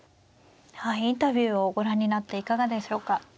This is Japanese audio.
インタビューをご覧になっていかがでしょうか。